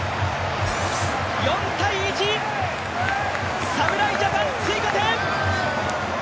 ４−１、侍ジャパン、追加点！